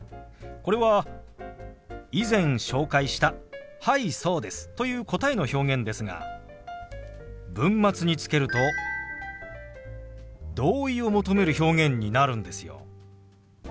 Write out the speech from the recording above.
これは以前紹介した「はいそうです」という答えの表現ですが文末につけると同意を求める表現になるんですよ。